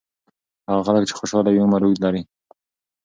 هغه خلک چې خوشاله وي، عمر اوږد لري.